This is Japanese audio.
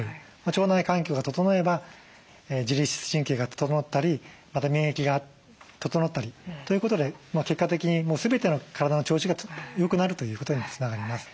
腸内環境が整えば自律神経が整ったりまた免疫が整ったりということで結果的に全ての体の調子がよくなるということにつながります。